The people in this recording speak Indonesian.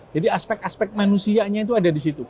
jadi aspek aspek manusianya itu ada di situ